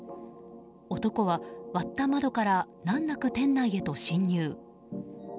男は割った窓から難なく店内へと侵入。